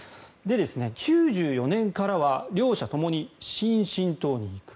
１９９４年からは両者ともに新進党に行く。